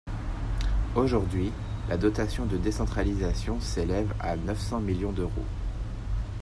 Aujourd’hui, la dotation de décentralisation s’élève à neuf cents millions d’euros.